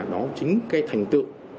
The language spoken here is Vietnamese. đó chính cái thành tựu